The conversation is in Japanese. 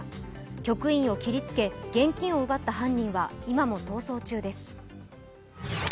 局員を切りつけ、現金を奪った犯人は今も逃走中です。